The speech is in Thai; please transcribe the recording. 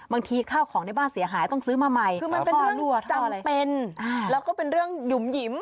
ข้าวของในบ้านเสียหายต้องซื้อมาใหม่คือมันเป็นจำเป็นแล้วก็เป็นเรื่องหยุ่มหยิม